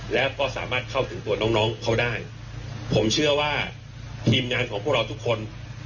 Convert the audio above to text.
แล้วก็สามารถเข้าถึงตัวน้องน้องเขาได้ผมเชื่อว่าทีมงานของพวกเราทุกคน